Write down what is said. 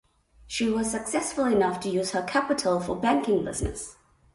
She was successful enough to use her capital for banking business.